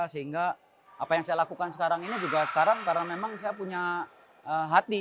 sehingga apa yang saya lakukan sekarang ini juga sekarang karena memang saya punya hati